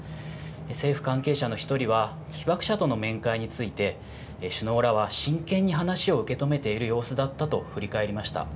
政府関係者の１人は、被爆者との面会について、首脳らは真剣に話を受け止めている様子だったと振り返りました。